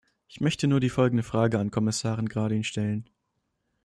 Ich möchte nur die folgende Frage an Kommissarin Gradin stellen.